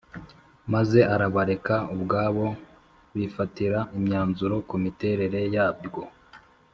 maze arabareka ubwabo bifatira imyanzuro ku miterere yabwo